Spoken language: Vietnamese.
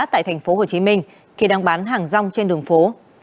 tại thành phố hồ chí minh khi đang bán hàng rong trên đường phố